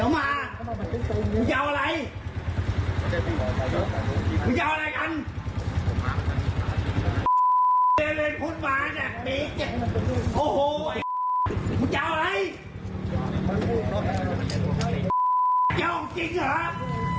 มึงจะเอาอะไรกัน